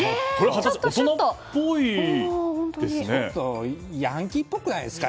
ちょっとヤンキーっぽくないですか？